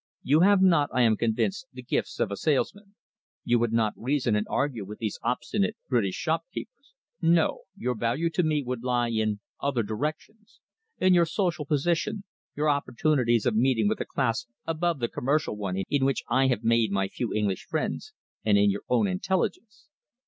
You have not, I am convinced, the gifts of a salesman. You would not reason and argue with these obstinate British shopkeepers. No! Your value to me would lie in other directions in your social position, your opportunities of meeting with a class above the commercial one in which I have made my few English friends, and in your own intelligence."